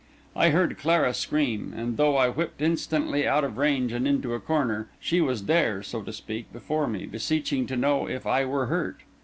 I heard Clara scream; and though I whipped instantly out of range and into a corner, she was there, so to speak, before me, beseeching to know if I were hurt.